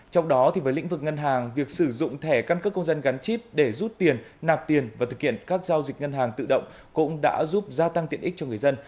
trong đó với lĩnh vực ngân hàng việc sử dụng thẻ căn cước công dân gắn chip để rút tiền nạp tiền và thực hiện các giao dịch ngân hàng tự động cũng đã giúp gia tăng tiện ích cho người dân